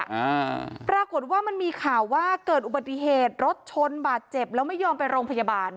อ่าปรากฏว่ามันมีข่าวว่าเกิดอุบัติเหตุรถชนบาดเจ็บแล้วไม่ยอมไปโรงพยาบาล